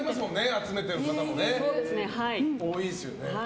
集めてる方も多いですよね。